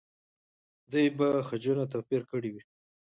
دوی به خجونه توپیر کړي وي.